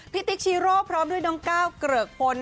ติ๊กชีโร่พร้อมด้วยน้องก้าวเกริกพล